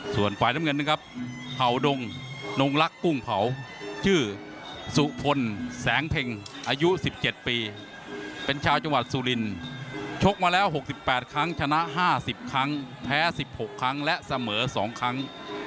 ส่วนฝ่ายน้ำเงินนะครับเผาดงนงลักษ์กุ้งเผาชื่อสุพลแสงเพ็งอายุ๑๗ปีเป็นชาวจังหวัดสุรินชกมาแล้ว๖๘ครั้งชนะ๕๐ครั้งแพ้๑๖ครั้งและเสมอ๒ครั้ง